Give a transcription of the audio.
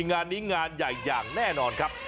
งานนี้งานใหญ่อย่างแน่นอนครับ